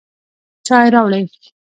چای راوړئ